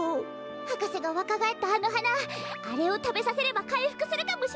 はかせがわかがえったあのはなあれをたべさせればかいふくするかもしれませんが。